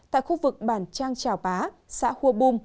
tại khu vực bản trang trào bá xã khua bum